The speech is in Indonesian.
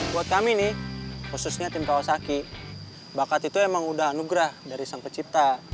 buat kami nih khususnya tim kawasaki bakat itu emang udah anugerah dari sang pencipta